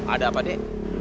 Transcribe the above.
ada apa de